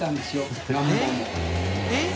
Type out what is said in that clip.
えっ？